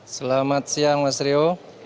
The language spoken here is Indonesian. selamat siang mas rio